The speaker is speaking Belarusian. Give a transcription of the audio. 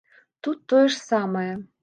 Тут тое ж самае.